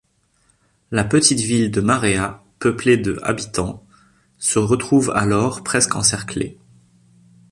La petite ville de Marea, peuplée de habitants, se retrouve alors presque encerclée.